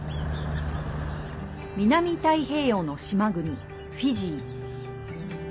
南太平洋の島国フィジー。